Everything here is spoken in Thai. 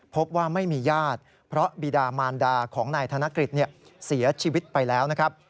พบว่าไม่มีญาติเพราะบีดามารดาของนายธนกฤษเสียชีวิตไปแล้วนะครับ